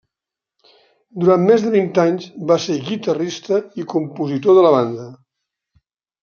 Durant més de vint anys va ser guitarrista i compositor de la banda.